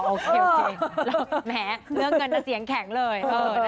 โอเคแม้เรื่องเงินเสียงแข็งเลย